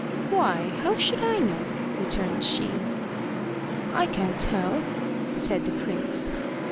"Why, how should I know?" returned she. "I can't tell," said the prince.